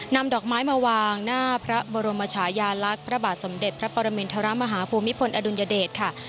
นำดอกไม้มาวางหน้าพระบรมชายาลักษณ์พระบาทสมเด็จพระปรมินทรมาฮภูมิพลอดุลยเดชค่ะ